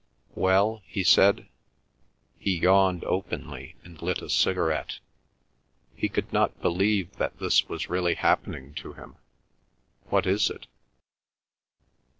"Well?" he said. He yawned openly, and lit a cigarette. He could not believe that this was really happening to him. "What is it?"